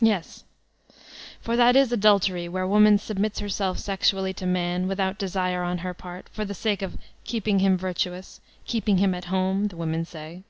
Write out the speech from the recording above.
Yes, for that is adultery where woman subnuts herself sexually to man, without desire on her part, for the sake of 'Iceeping him virtuous," "keeping him at home," the women say.